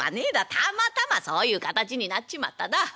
たまたまそういう形になっちまっただ。